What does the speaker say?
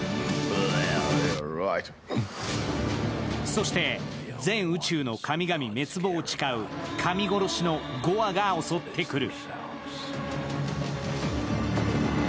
そして全宇宙の神々滅亡を誓う神殺しのゴアが襲ってくる。